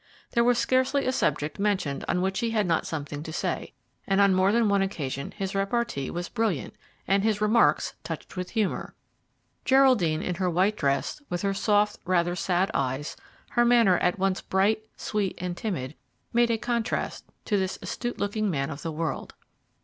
There was scarcely a subject mentioned on which he had not something to say; and on more than one occasion his repartee was brilliant, and his remarks, touched with humour. Geraldine, in her white dress, with her soft, rather sad, eyes, her manner at once bright, sweet, and timid, made a contrast to this astute looking man of the world.